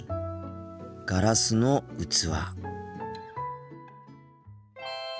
ガラスの器。